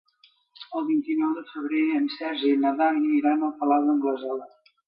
El vint-i-nou de febrer en Sergi i na Dàlia iran al Palau d'Anglesola.